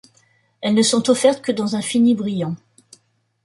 Elles ne sont offertes que dans un fini brillant.